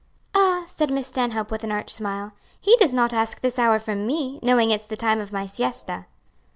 "Ah!" said Miss Stanhope with an arch smile, "he does not ask this hour for me; knowing it's the time of my siesta."